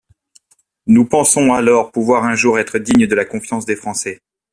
Nous pensons alors pouvoir un jour être dignes de la confiance des Français.